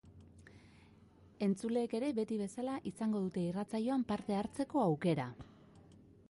Entzuleek ere, beti bezala, izango dute irratsaioan parte hartzeko aukera.